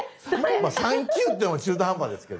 まあ３級っていうのも中途半端ですけどね。